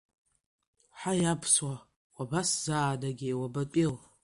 Ҳаи аԥсуа, уабасзаанагеи, уабатәиу?!